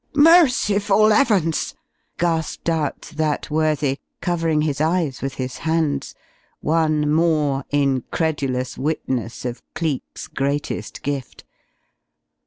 "Merciful 'Eavens!" gasped out that worthy, covering his eyes with his hands, one more incredulous witness of Cleek's greatest gift.